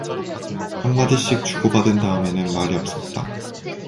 한마디씩 주고받은 다음에는 말이 없었다.